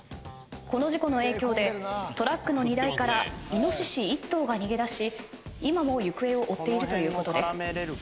この事故の影響でトラックの荷台からイノシシ１頭が逃げ出し今も行方を追っているということです。